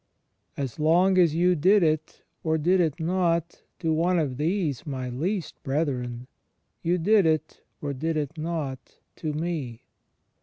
''As long as you did it, or did it not, to one of these my least brethren, you did it, or did it not, to me."